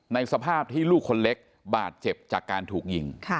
สภาพที่ลูกคนเล็กบาดเจ็บจากการถูกยิง